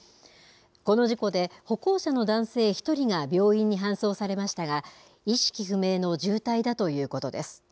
この事故で、歩行者の男性１人が病院に搬送されましたが、意識不明の重体だということです。